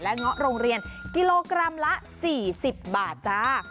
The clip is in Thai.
เงาะโรงเรียนกิโลกรัมละ๔๐บาทจ้า